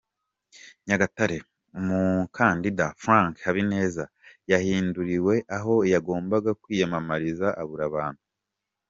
Nyagatare: Umukandida Frank Habineza yahinduriwe aho yagombaga kwiyamamariza abura abantu.